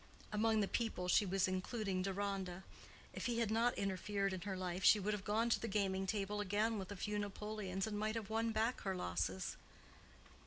Among the "people" she was including Deronda. If he had not interfered in her life she would have gone to the gaming table again with a few napoleons, and might have won back her losses.